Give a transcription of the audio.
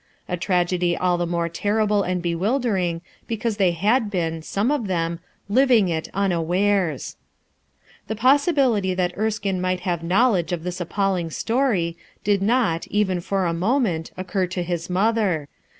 A tragedy all the more terrible and bewildering because they had been — some of them — living it unawares. The possibility that Erskine might have 224 RUTH ERSKINE'S SOK knowledge of this appalling story did not, even for a moment, occur to his mother.